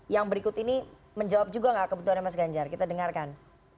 yang berikut ini menjawab juga nggak kebutuhannya mas ganjar kita dengarkan